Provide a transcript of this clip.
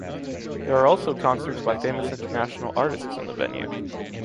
There are also concerts by famous international artists in the venue.